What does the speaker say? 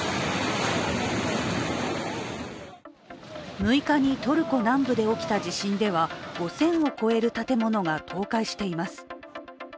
６日にトルコ南部で起きた地震では５０００を超える建物が倒壊しています。